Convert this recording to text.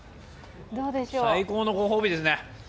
最高のご褒美ですね。